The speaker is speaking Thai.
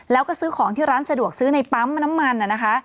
แล้วก็ซื้อของที่ร้านสะดวกซื้อในปั๊มน้ำมันนะคะ